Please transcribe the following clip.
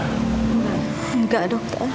ibu mau dirawat disini apa di rumah